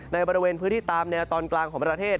ในบริเวณพื้นที่ตามแนวตอนกลางของประเทศ